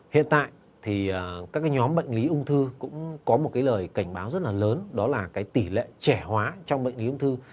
hiện tại các nhóm bệnh lý ung thư cũng có một lời cảnh báo rất lớn đó là tỷ lệ trẻ hóa trong bệnh lý ung thư